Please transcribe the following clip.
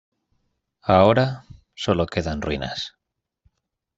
Ahora, sólo quedan ruinas.